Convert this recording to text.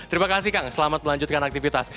terima kasih kang selamat melanjutkan aktivitas